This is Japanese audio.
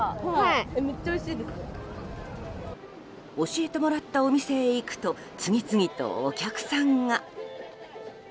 教えてもらったお店に行くと次々とお客さんが。